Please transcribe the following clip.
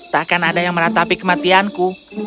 tak akan ada yang meratapi kematianku